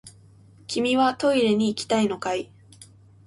君はトイレに行きたいのかい？